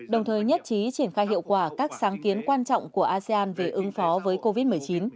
đồng thời nhất trí triển khai hiệu quả các sáng kiến quan trọng của asean về ứng phó với covid một mươi chín